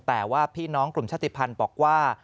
แต่ว่าพี่น้องกลุ่มชาติภัณฑ์บอกว่า